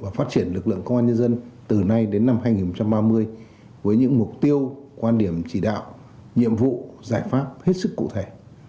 và phát triển lực lượng công an nhân dân từ nay đến năm hai nghìn ba mươi với những mục tiêu quan điểm chỉ đạo nhiệm vụ giải pháp hết sức cụ thể